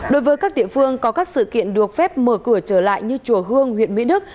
đối với các địa phương có các sự kiện được phép mở cửa trở lại như chùa hương huyện mỹ đức